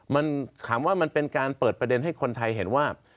มันถามว่ามันเป็นการเปิดประเด็นให้คนไทยเห็นว่า